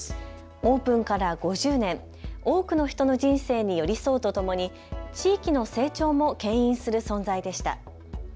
オープンから５０年、多くの人の人生に寄り添うとともに地域の成長もけん引する存在でした。